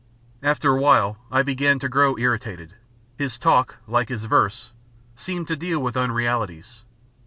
After a while I began to grow irritated. His talk, like his verse, seemed to deal with unrealities.